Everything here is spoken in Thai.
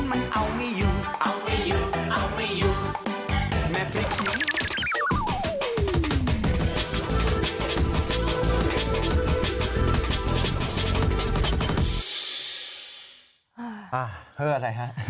อ่าเพื่ออะไรฮะ